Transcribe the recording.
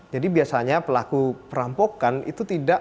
jadi biasanya pelaku perampokan itu tidak